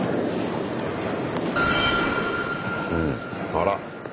あら。